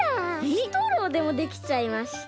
ストローでもできちゃいました。